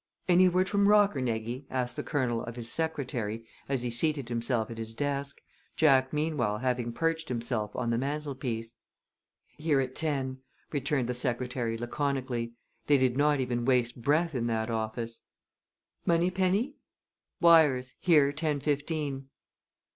"Any word from Rockernegie?" asked the Colonel of his secretary, as he seated himself at his desk, Jack meanwhile having perched himself on the mantelpiece. "Here at ten," returned the secretary, laconically. They did not even waste breath in that office. "Moneypenny?" "Wires, here ten fifteen."